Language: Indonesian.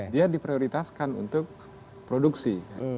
dia diprioritaskan untuk produksi